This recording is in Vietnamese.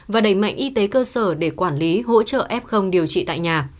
và đẩy mạnh y tế cơ sở để quản lý hỗ trợ f điều trị tại nhà